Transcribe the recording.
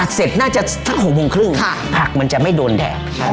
ตัดเสร็จน่าจะสักหกโมงครึ่งค่ะผักมันจะไม่โดนแดบใช่